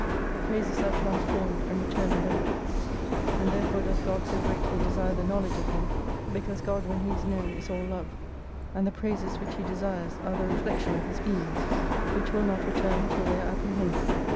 For praises arc transformed and returning benefits. And therefore doth God so greatly desire the Knowledge of Him, because God when He is known is all Love : and the praises which He desires are the reflection of His beams : which will not return till they are apprehended.